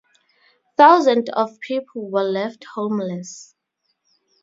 Thousands of people were left homeless.